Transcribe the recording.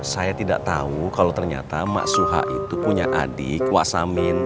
saya tidak tahu kalau ternyata mas suha itu punya adik was samin